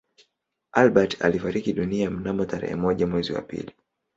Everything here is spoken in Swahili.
Albert alifariki dunia mnamo tarehe moja mwezi wa pili